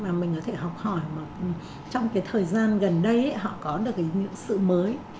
mà mình có thể học hỏi trong cái thời gian gần đây họ có được những sự mới